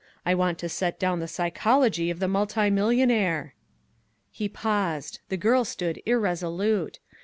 I want to set down the psychology of the multimillionaire!" He paused. The girl stood irresolute.